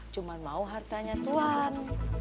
cuma mau hartanya tuhan